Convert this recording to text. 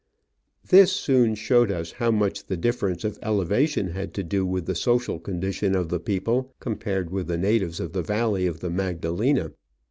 This soon showed us how much the difference of elevation had to do with the social condition of the people, compared with the natives of the valley of the Magdalena.